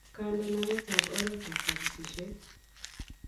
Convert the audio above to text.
kandenaet ap oretap kapisishet